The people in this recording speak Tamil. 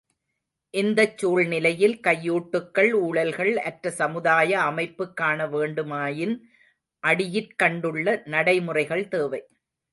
இந்தச் சூழ்நிலையில் கையூட்டுக்கள், ஊழல்கள் அற்ற சமுதாய அமைப்பு காணவேண்டுமாயின் அடியிற்கண்டுள்ள நடைமுறைகள் தேவை.